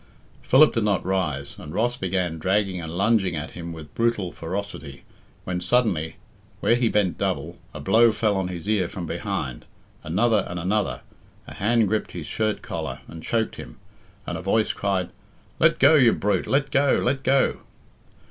Philip did not rise, and Ross began dragging and lunging at him with brutal ferocity, when suddenly, where he bent double, a blow fell on his ear from behind, another and another, a hand gripped his shirt collar and choked him, and a voice cried, "Let go, you brute, let go, let go."